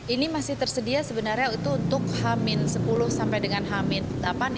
ini masih tersedia sebenarnya itu untuk hamin sepuluh sampai dengan hamin delapan